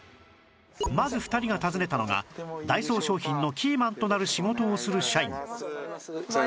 まず２人が訪ねたのがダイソー商品のキーマンとなる仕事をする社員